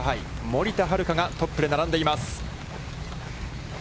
森田遥がトップで並んでいます。